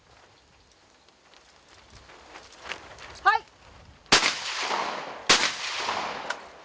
はい。